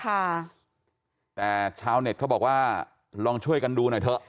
ค่ะแต่ชาวเน็ตเขาบอกว่าลองช่วยกันดูหน่อยเถอะ